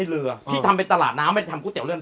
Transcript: เพื่อนพี่มันเป็นเจ้าของร้านทอง